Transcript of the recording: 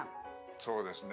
そうですね。